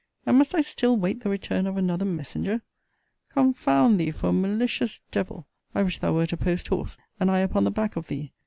And must I still wait the return of another messenger? Confound thee for a malicious devil! I wish thou wert a post horse, and I upon the back of thee!